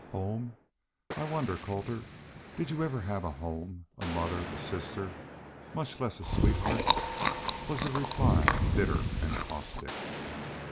"Home! I wonder, Colter did y'u ever have a home a mother a sister much less a sweetheart?" was the reply, bitter and caustic.